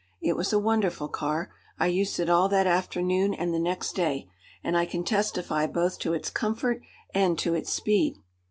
It was a wonderful car. I used it all that afternoon and the next day, and I can testify both to its comfort and to its speed.